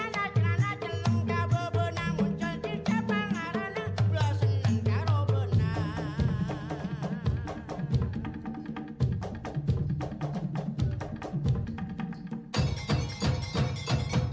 bapak profesor dr ing baharudin yusuf habibi